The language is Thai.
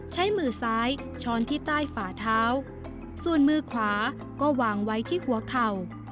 ใช้มือซ้ายช้อนที่ใต้ฝาเท้าส่วนมือขวาก็วางไว้ที่หัวเข่า